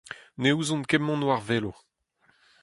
Ne ouzont ket mont war velo.